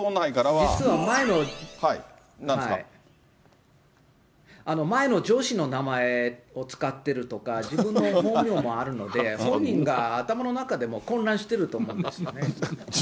実は前の上司の名前を使ってるとか、自分の本名もあるので、本人が頭の中でもうもう混乱してるとか思うんですよね。